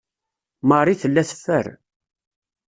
Marie tella teffer.